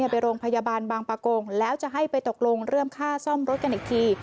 ไปโรงพยาบาลบางประกงแล้วจะให้ไปตกลงเรื่องค่าซ่อมรถกันอีกที